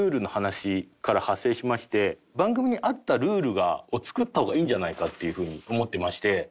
番組に合ったルールを作った方がいいんじゃないかっていうふうに思ってまして。